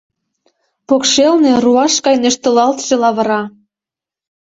Покшелне руаш гай нӧштылалтше лавыра.